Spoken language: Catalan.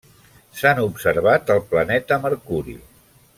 S'han observat al planeta Mercuri.